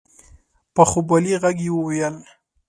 په خوبولي غږ يې وويل؛